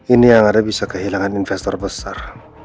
ini yang ada bisa kehilangan investor besar